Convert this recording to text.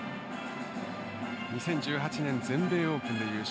２０１８年全米オープンで優勝。